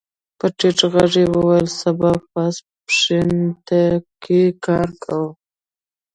په ټيټ غږ يې وويل سبا پاس پښتې کې کار کوو.